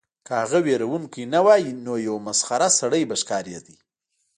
که هغه ویرونکی نه وای نو یو مسخره سړی به ښکاریده